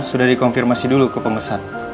sudah dikonfirmasi dulu ke pemesan